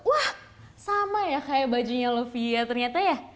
wah sama ya kayak bajunya lovia ternyata ya